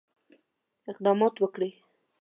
اقدامات وکړي.